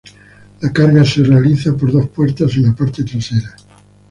La carga se realiza por dos puertas en la parte trasera.